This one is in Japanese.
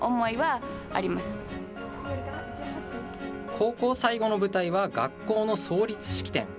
高校最後の舞台は学校の創立式典。